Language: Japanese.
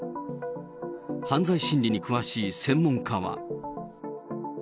犯罪心理に詳しい専門家は。